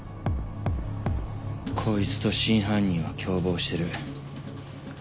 こいつと真犯人は共謀してる。